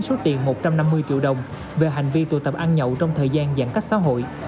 số tiền một trăm năm mươi triệu đồng về hành vi tụ tập ăn nhậu trong thời gian giãn cách xã hội